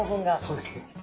そうですね。